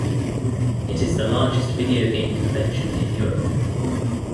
It is the largest video game convention in Europe.